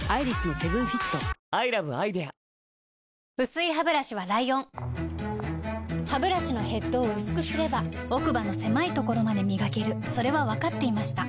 薄いハブラシはライオンハブラシのヘッドを薄くすれば奥歯の狭いところまで磨けるそれは分かっていました